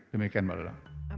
demikian mbak dodo